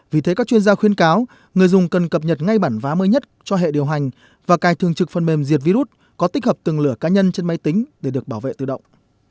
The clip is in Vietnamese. vì thế các chuyên gia khuyên cáo người dùng cần cập nhật ngay bản vá mới nhất cho hệ điều hành và cài thường trực phần mềm diệt virus có tích hợp từng lửa cá nhân trên máy tính để được bảo vệ tự động